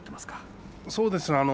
そうですね。